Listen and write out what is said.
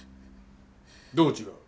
どう違う？